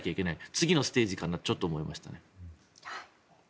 次のステージかなとちょっと思いました。